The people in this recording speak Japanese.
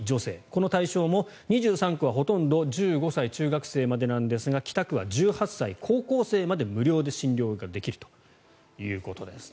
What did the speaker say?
この対象も２３区はほとんど１５歳、中学生までなんですが北区は１８歳高校生まで無料で診療ができるということです。